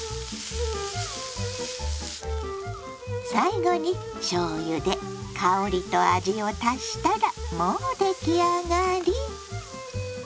最後にしょうゆで香りと味を足したらもう出来上がり！